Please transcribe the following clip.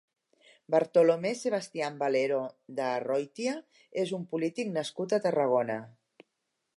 Bartolomé Sebastián Valero de Arroitia és un polític nascut a Tarragona.